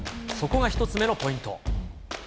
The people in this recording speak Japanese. そこが１つ目のポイント。